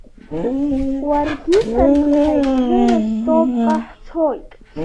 Уаргьы саргьы ҳаицны Ростовҟа ҳцоит.